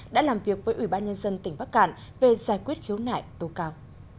đã làm việc với ủy ban nhân dân tỉnh bắc cạn về giải quyết khiếu nại tố cáo